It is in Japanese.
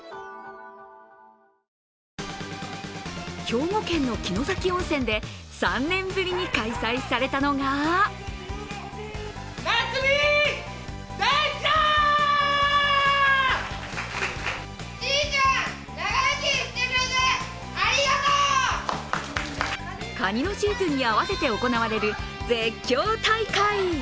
兵庫県の城崎温泉で３年ぶりに開催されたのがカニのシーズンに合わせて行われる絶叫大会。